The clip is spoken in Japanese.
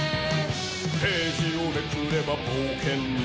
「ページをめくれば冒険に」